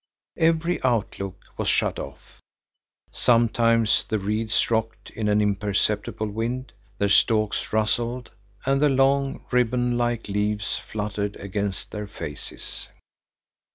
Every outlook was shut off. Sometimes the reeds rocked in an imperceptible wind, their stalks rustled, and the long, ribbon like leaves fluttered against their faces.